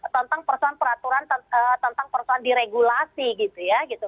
tentang peraturan peraturan di regulasi gitu ya